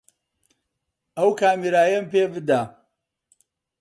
ئەو کامێرایەم پێ بدە.